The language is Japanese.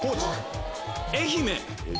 愛媛。